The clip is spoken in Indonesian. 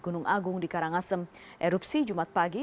gunung agung di karangasem erupsi jumat pagi